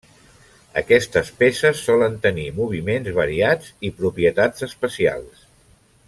Aquestes peces solen tenir moviments variats i propietats especials.